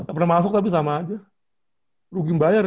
nggak pernah masuk tapi sama aja rugi membayar tuh